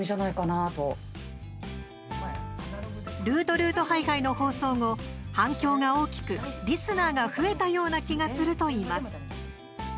「√るーとｈｉｇｈ↑２」の放送後、反響が大きくリスナーが増えたような気がするといいます。